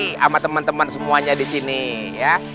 sama temen temen semuanya disini ya